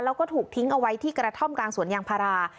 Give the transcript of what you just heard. แล้วก็ถูกทิ้งเอาไว้ที่กระท่อมกลางสวนยางพารา